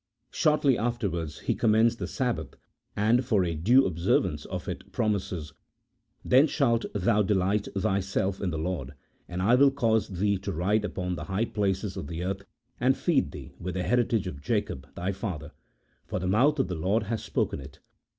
Shortly after wards he commends the Sabbath, and for a due observance of it, promises :" Then shalt thou delight thyself in the Lord, and I will cause thee to ride upon the high places of the earth, and feed thee with the heritage of Jacob thy father : for the mouth of the Lord has spoken it."